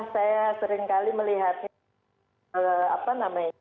saya seringkali melihat